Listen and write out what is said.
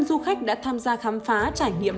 du khách đã tham gia khám phá trải nghiệm